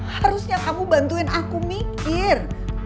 harusnya kamu bantuin aku mikir